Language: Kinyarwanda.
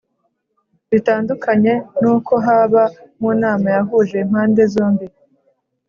bitandukanye n’uko haba mu nama yahuje impande zombi